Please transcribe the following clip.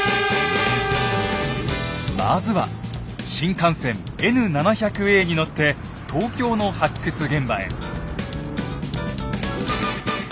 まずは新幹線Ｎ７００Ａに乗って東京の発掘現場へ。